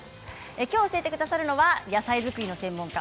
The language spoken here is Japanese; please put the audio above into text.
きょう教えてくださるのは野菜作りの専門家